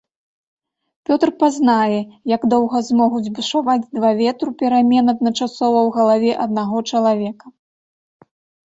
Пётр пазнае, як доўга змогуць бушаваць два ветру перамен адначасова ў галаве аднаго чалавека.